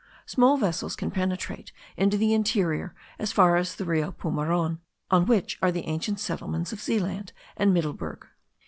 Small vessels can penetrate into the interior as far as the Rio Poumaron, on which are the ancient settlements of Zealand and Middleburg.